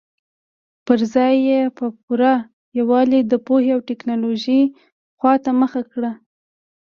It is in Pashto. پر ځای یې په پوره یووالي د پوهې او ټکنالوژۍ خواته مخه کړې.